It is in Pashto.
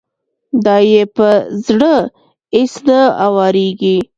دا يې په زړه اېڅ نه اوارېږي.